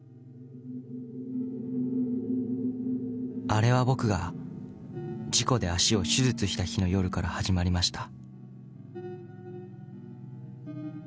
［あれは僕が事故で脚を手術した日の夜から始まりました］